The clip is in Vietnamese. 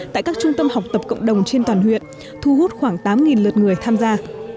tại các trung tâm học tập cộng đồng trên toàn huyện thu hút khoảng tám lượt người tham gia